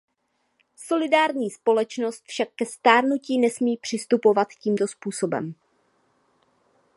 Solidární společnost však ke stárnutí nesmí přistupovat tímto způsobem.